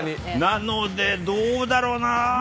なのでどうだろうな？